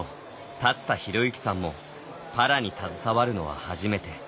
立田寛之さんもパラに携わるのは初めて。